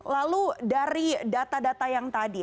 lalu dari data data yang tadi